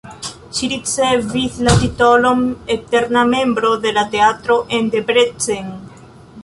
Ŝi ricevis la titolon eterna membro de la teatro en Debrecen.